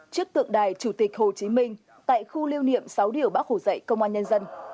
trước tượng đài chủ tịch hồ chí minh tại khu lưu niệm sáu điều bác hủ dạy công an nhân dân